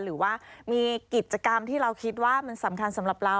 หรือว่ามีกิจกรรมที่เราคิดว่ามันสำคัญสำหรับเรา